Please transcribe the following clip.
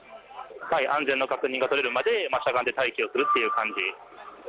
安全の確認ができるまでしゃがんで待機するような感じ。